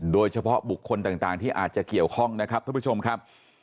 โดยเฉพาะบุคคลต่างที่อาจจะเกี่ยวข้องนะครับท่านผู้ชมครับ